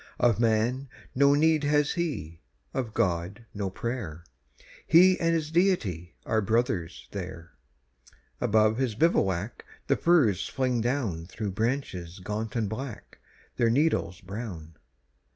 Of man no need has he, of God, no prayer; He and his Deity are brothers there. Above his bivouac the firs fling down Through branches gaunt and black, their needles brown.